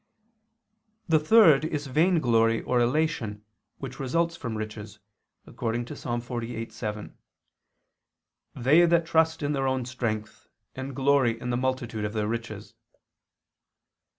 '" The third is vainglory or elation which results from riches, according to Ps. 48:7, "They that trust in their own strength, and glory in the multitude of their riches."